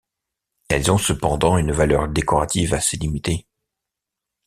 Elles ont cependant une valeur décorative assez limitée.